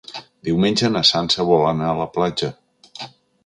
Diumenge na Sança vol anar a la platja.